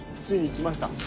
ついに来ました？